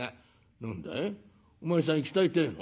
「何だいお前さん行きたいってえの？